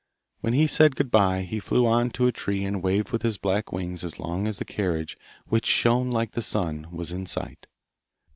When he said good bye, he flew on to a tree and waved with his black wings as long as the carriage, which shone like the sun, was in sight.